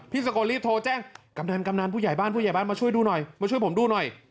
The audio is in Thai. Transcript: พี่สะโกนรีบโทรแจ้งกำนานผู้ใหญ่บ้านมาช่วยดูหน่อยมาช่วยผมดูหน่อย